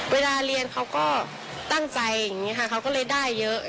เวลาเรียนเขาก็ตั้งใจอย่างนี้ค่ะเขาก็เลยได้เยอะ